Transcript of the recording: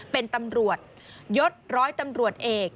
เป็นตำรวจยศร้อยตำรวจเอก